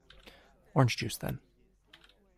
Orange juice, then.